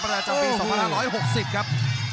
ประดาษจากปี๒๑๖๐ครับ